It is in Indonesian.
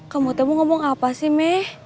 kamu tuh mau ngomong apa sih me